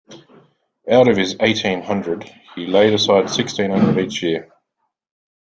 Out of his eighteen hundred, he laid aside sixteen hundred each year.